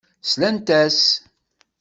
Slant-as.